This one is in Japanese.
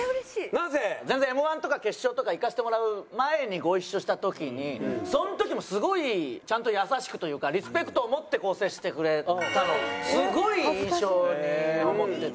なぜ？全然Ｍ−１とか決勝とかいかせてもらう前にご一緒した時にその時もすごいちゃんと優しくというかリスペクトを持って接してくれたのすごい印象に残ってて。